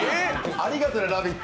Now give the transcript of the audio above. ありがとね、「ラヴィット！」